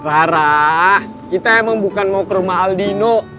rarah kita emang bukan mau ke rumah aldino